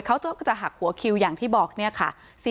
เขาก็จะหักหัวคิวอย่างที่บอกเนี่ยค่ะ